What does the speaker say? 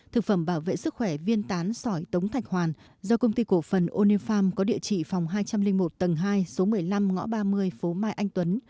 thực phẩm bảo vệ sức khỏe viên tán sỏi tống thạch hoàn do công ty cổ phần oneil farm có địa chỉ phòng hai trăm linh một tầng hai số một mươi năm ngõ ba mươi phố mai anh tuấn